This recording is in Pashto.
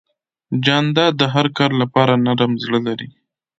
جانداد د هر کار لپاره نرم زړه لري.